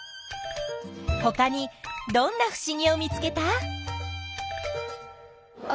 ほかにどんなふしぎを見つけた？